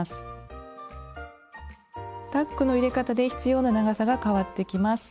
タックの入れ方で必要な長さが変わってきます。